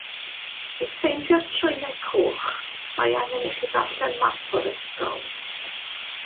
I ffeindio'r trwynau coch mae angen i chi ddarllen map o'r ysgol.